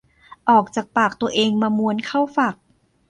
ออกจากปากตัวเองมาม้วนเข้าฝัก